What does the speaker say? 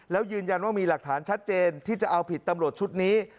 แล้วยืนยันว่ามีหลักฐานชัดเจนที่จะเอาผิดตำรวจชุดนี้